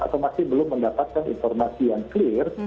atau masih belum mendapatkan informasi yang clear